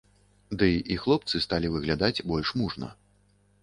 Ды і хлопцы сталі выглядаць больш мужна.